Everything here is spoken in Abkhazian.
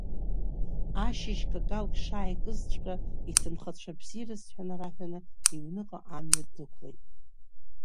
Ашьыжь какалк шааикызҵәҟьа, иҭынхацәа абзиараз ҳәа нараҳәаны иҩныҟа амҩа дықәлеит.